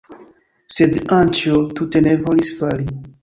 Sed Anĉjo tute ne volis fali.